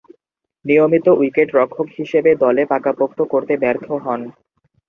নিয়মিত উইকেট-রক্ষক হিসেবে দলে পাকাপোক্ত করতে ব্যর্থ হন।